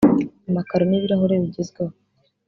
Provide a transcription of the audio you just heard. amakaro n’ibirahure bigezweho